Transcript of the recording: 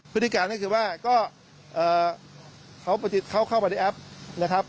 พฤติการก็คือว่าก็เขาเข้ามาในแอปนะครับ